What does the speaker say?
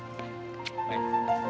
siapa mau beli